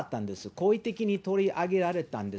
好意的に取り上げられたんです。